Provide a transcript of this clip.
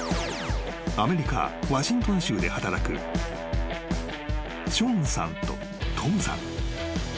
［アメリカワシントン州で働くショーンさんとトムさん］